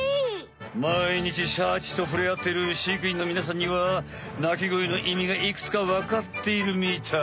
まいにちシャチとふれあってる飼育員のみなさんには鳴き声の意味がいくつかわかっているみたい。